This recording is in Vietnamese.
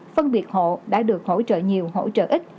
phân biệt hộ đã được hỗ trợ nhiều hỗ trợ ít